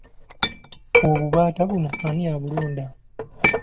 Obubaata buno ani abulunda?